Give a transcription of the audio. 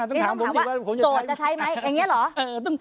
ต้องถามผมอีกว่าโจทย์จะใช้ไหมอย่างนี้เหรอ